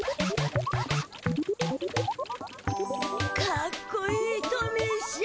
かっこいいトミーしゃん。